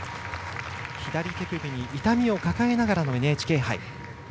左手首に痛みを抱えながらのＮＨＫ杯。